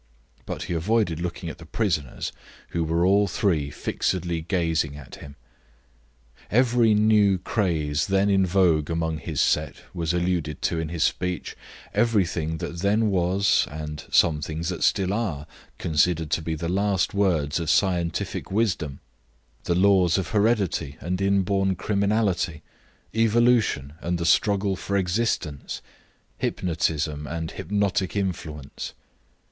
But he avoided looking at the prisoners, who were all three fixedly gazing at him. Every new craze then in vogue among his set was alluded to in his speech; everything that then was, and some things that still are, considered to be the last words of scientific wisdom: the laws of heredity and inborn criminality, evolution and the struggle for existence, hypnotism and hypnotic influence.